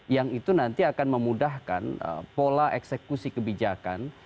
yang itu nanti akan memudahkan pola eksekusi kebijakan